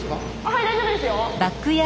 はい大丈夫ですよ。